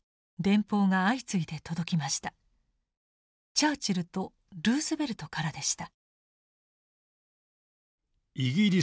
チャーチルとルーズベルトからでした。